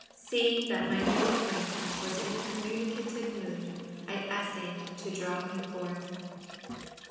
Seeing that my new acquaintance was in the communicative mood, I essayed to draw him forth.